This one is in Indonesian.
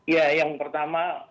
ya yang pertama